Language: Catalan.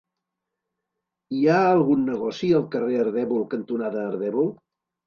Hi ha algun negoci al carrer Ardèvol cantonada Ardèvol?